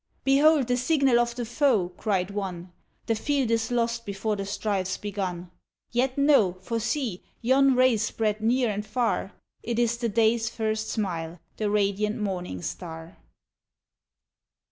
"Behold the signal of the foe," cried one, The field is lost before the strife's begun. Yet no! for see! yon rays spread near and far; It is the day's first smile, the radiant morning star.